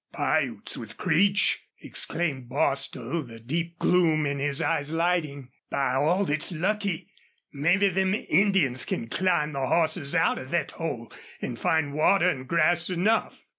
"Piutes with Creech!" exclaimed Bostil, the deep gloom in his eyes lighting. "By all thet's lucky! Mebbe them Indians can climb the hosses out of thet hole an' find water an' grass enough."